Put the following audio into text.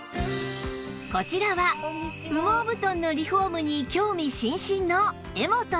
こちらは羽毛布団のリフォームに興味津々の絵元さん